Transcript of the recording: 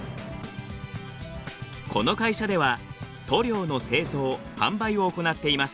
この会社では塗料の製造販売を行っています。